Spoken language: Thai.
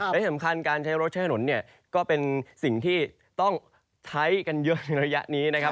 และสำคัญการใช้รถใช้ถนนเนี่ยก็เป็นสิ่งที่ต้องใช้กันเยอะในระยะนี้นะครับ